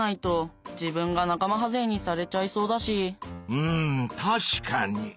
うん確かに！